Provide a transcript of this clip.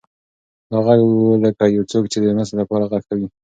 دا غږ داسې و لکه یو څوک چې د مرستې لپاره غږ کوي.